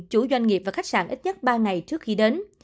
chủ doanh nghiệp và khách sạn ít nhất ba ngày trước khi đến